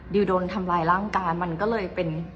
โดนทำร้ายร่างกายมันก็เลยเป็น